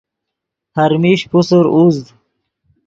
ہر میش پوسر اُوزد